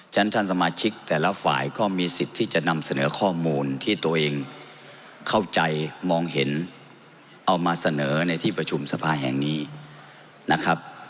ฉะนั้นท่านสมาชิกแต่ละฝ่ายก็มีสิทธิ์ที่จะนำเสนอข้อมูลที่ตัวเองเข้าใจมองเห็นเอามาเสนอในที่ประชุมสภาแห่งนี้นะครับ